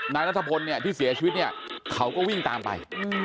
นายนัทพลเนี่ยที่เสียชีวิตเนี่ยเขาก็วิ่งตามไป